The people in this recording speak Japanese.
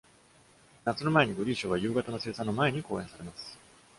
夏の間に、グリーショーは夕方の生産の前に公演されます。